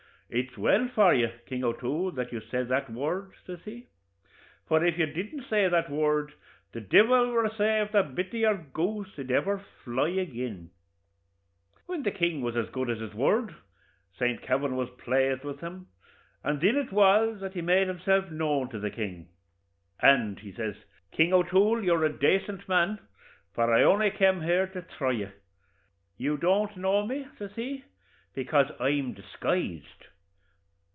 'It's well for you, King O'Toole, that you said that word,' says he; 'for if you didn't say that word, the devil receave the bit o' your goose id ever fly agin.' Whin the king was as good as his word, Saint Kavin was plazed with him, and thin it was that he made himself known to the king. 'And,' says he, 'King O'Toole, you're a decent man, for I only kem here to thry you. You don't know me," says he, "bekase I'm disguised.'